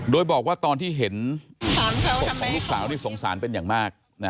โดยบอกว่าตอนที่เห็นศพของลูกสาวนี่สงสารเป็นอย่างมาก